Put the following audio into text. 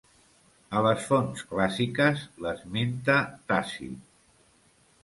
A les fonts clàssiques l'esmenta Tàcit.